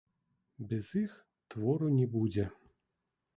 Без іх твору не будзе.